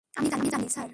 আমি জানি, স্যার।